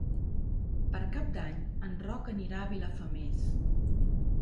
Per Cap d'Any en Roc anirà a Vilafamés.